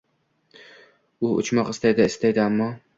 U uchmoq istaydi, istaydi, ammo